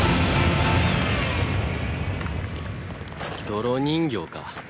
泥人形か。